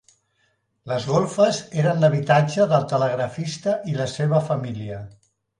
Les golfes eren l'habitatge del telegrafista i la seva família.